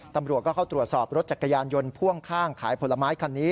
ตำรวจก็เข้าตรวจสอบรถจักรยานยนต์พ่วงข้างขายผลไม้คันนี้